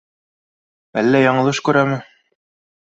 Әллә яңылыш күрәме?